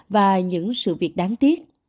và những sự việc đáng tiếc